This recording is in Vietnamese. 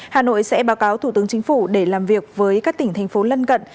hà nội sẽ báo cáo thủ tướng chính phủ để làm việc với các tỉnh thành phố lân cận